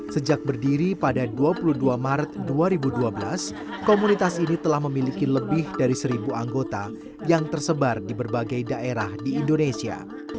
sejak berdiri pada dua puluh dua maret dua ribu dua belas komunitas ini telah memiliki lebih dari seribu anggota yang tersebar di berbagai daerah di indonesia